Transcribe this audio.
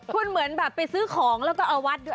คุณเหมือนแบบไปซื้อของแล้วก็เอาวัดด้วย